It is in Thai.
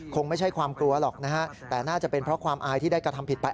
คงไม่ใช่ความกลัวหรอกนะฮะแต่น่าจะเป็นเพราะความอายที่ได้กระทำผิดไป